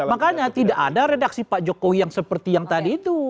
makanya tidak ada redaksi pak jokowi yang seperti yang tadi itu